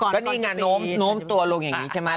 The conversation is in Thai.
ก็นี่ไงโน้มตัวลงอย่างนี้ใช่ไหม